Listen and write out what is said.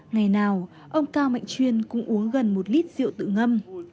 ngày nào ông cao mạnh chuyên cũng uống gần một lít rượu tự ngâm